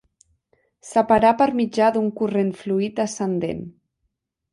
Separar per mitjà d'un corrent fluid ascendent.